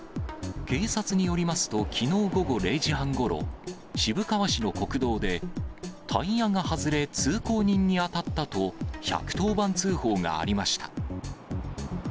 警察によりますと、きのう午後０時半ごろ、渋川市の国道で、タイヤが外れ、通行人に当たったと、１１０番通報がありました。